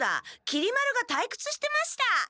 きり丸がたいくつしてました。